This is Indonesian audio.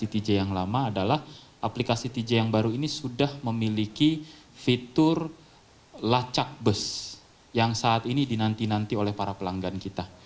di tj yang lama adalah aplikasi tj yang baru ini sudah memiliki fitur lacak bus yang saat ini dinanti nanti oleh para pelanggan kita